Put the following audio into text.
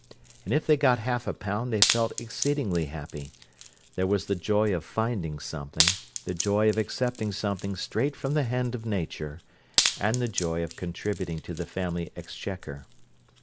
And if they got half a pound they felt exceedingly happy: there was the joy of finding something, the joy of accepting something straight from the hand of Nature, and the joy of contributing to the family exchequer.